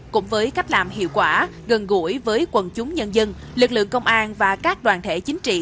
cũng với cách làm hiệu quả gần gũi với quần chúng nhân dân lực lượng công an và các đoàn thể chính trị